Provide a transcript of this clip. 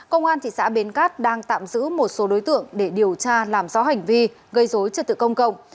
công an thị xã bến cát đang tạm giữ một số đối tượng để điều tra làm rõ hành vi gây dối trật tự công cộng